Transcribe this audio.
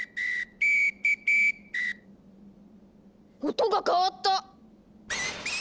音が変わった！